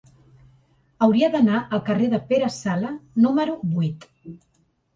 Hauria d'anar al carrer de Pere Sala número vuit.